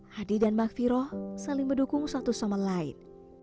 hadi dan mbak firoh saling mendukung satu sama lain